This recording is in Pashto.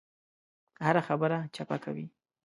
هره خبره چپه کوي.